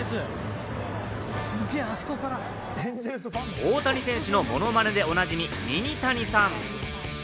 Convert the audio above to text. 大谷選手のモノマネでおなじみ・ミニタニさん。